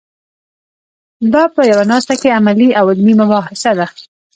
دا په یوه ناسته کې عملي او علمي مباحثه ده.